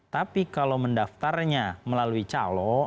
tapi kalau mendaftarnya melalui calo